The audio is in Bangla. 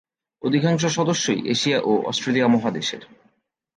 অধিকাংশ সদস্যই এশিয়া ও অস্ট্রেলিয়া মহাদেশের।